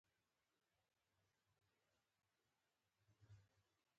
بشپړ مشروعیت تامین کړو